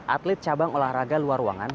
atlet cabang olahraga luar ruangan